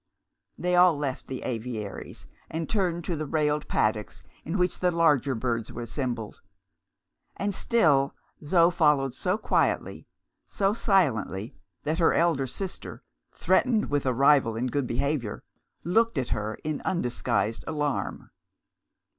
They all left the aviaries, and turned to the railed paddocks in which the larger birds were assembled. And still Zo followed so quietly, so silently, that her elder sister threatened with a rival in good behaviour looked at her in undisguised alarm.